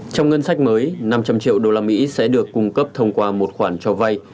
trong ngân sách mới năm trăm linh triệu đô la mỹ sẽ được cung cấp thông qua một khoản cho vay